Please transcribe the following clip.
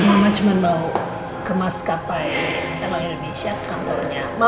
elak indonesia kantornya